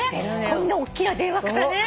こんなおっきな電話からね。